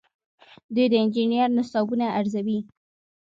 دوی د انجنیری نصابونه ارزوي.